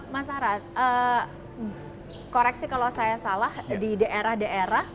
mas arad koreksi kalau saya salah di daerah daerah